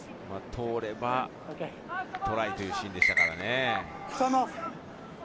通ればトライというシーンでしたからね。